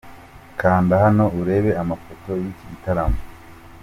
Kanda hano urebe amafoto y’iki gitaramo.